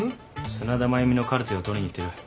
砂田繭美のカルテを取りに行ってる。